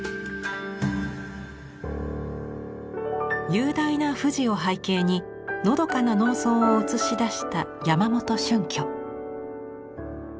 雄大な富士を背景にのどかな農村を映し出した山元春挙。